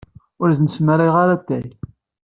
Ur asen-d-smarayeɣ atay.